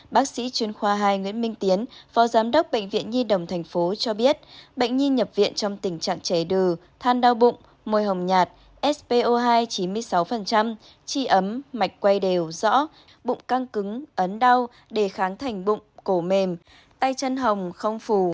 bác sĩ chuyên khoa hai nguyễn minh tiến phó giám đốc bệnh viện nhi đồng tp cho biết bệnh nhi nhập viện trong tình trạng trẻ đừ than đau bụng môi hồng nhạt spo hai chín mươi sáu tri ấm mạch quay đều rõ bụng căng cứng ấn đau đề kháng thành bụng cổ mềm tay chân hồng không phù